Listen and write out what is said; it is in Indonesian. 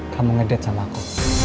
kamu ngedate sama aku